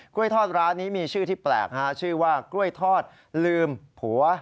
ทอดร้านนี้มีชื่อที่แปลกชื่อว่ากล้วยทอดลืมผัว